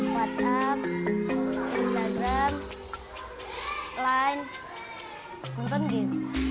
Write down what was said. what's up instagram line mungkin gitu